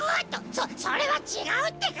そそれはちがうってか！